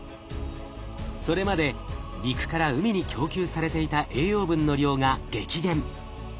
それまで陸から海に供給されていた栄養分の量が激減。